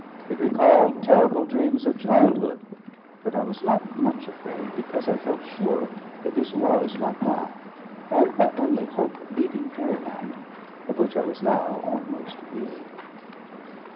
It recalled terrible dreams of childhood; but I was not much afraid, because I felt sure that this was my path, and my only hope of leaving Fairy Land, of which I was now almost weary.